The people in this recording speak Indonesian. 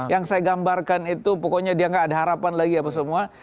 yang saya gambarkan itu pokoknya dia gak ada harapan lagi apa semua